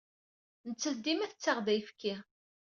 Nettat dima tettaɣ-d ayefki.